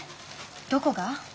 どこが？